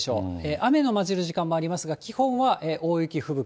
雨の混じる時間もありますが、基本は大雪、吹雪。